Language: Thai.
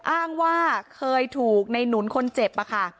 อ้างว่าเคยถูกในหนุนคนเจ็บอะค่ะ